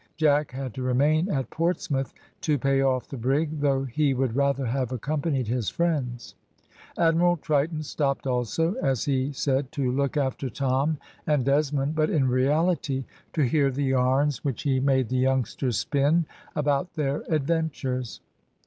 Jack had to remain at Portsmouth to pay off the brig, though he would rather have accompanied his friends. Admiral Triton stopped also, as he said, to look after Tom and Desmond, but in reality to hear the yarns which he made the youngsters spin about their adventures.